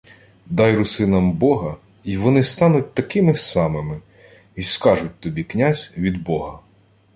— Дай русинам бога — й вони стануть такими самими. Й скажуть тобі: «Князь — від бога».